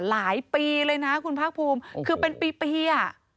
หลายปีเลยนะคุณพรรคภูมิคือเป็นปี